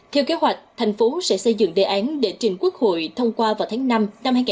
theo kế hoạch tp hcm sẽ xây dựng đề án để trình quốc hội thông qua vào tháng năm năm hai nghìn hai mươi bốn